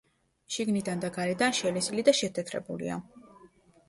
შიგნიდან და გარედან შელესილი და შეთეთრებულია.